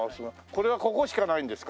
これはここしかないんですか？